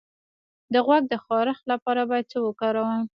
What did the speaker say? د غوږ د خارش لپاره باید څه وکاروم؟